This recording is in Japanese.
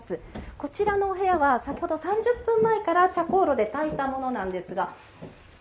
こちらの部屋は先ほど３０分前から茶香炉でたいたものなんですが。